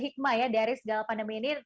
hikmah ya dari segala pandemi ini